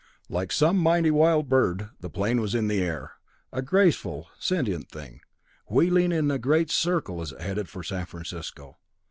Like some mighty wild bird, the plane was in the air, a graceful, sentient thing, wheeling in a great circle as it headed for San Francisco.